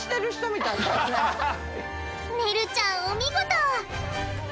ねるちゃんお見事！